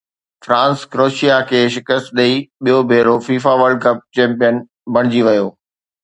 France Croatia کي شڪست ڏئي ٻيو ڀيرو فيفا ورلڊ ڪپ چيمپيئن بڻجي ويو